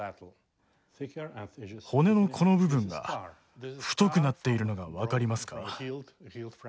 骨のこの部分が太くなっているのが分かりますか？